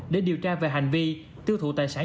để điều tra về hành vi tiêu thụ tài sản